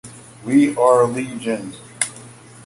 We are Legion!